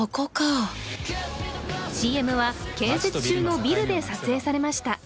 ＣＭは建設中のビルで撮影されました。